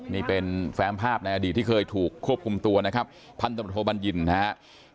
นี่เป็นแฟมภาพในอดีตที่เคยถูกควบคุมตัวนะครับพันธบทโทบัญญินนะครับ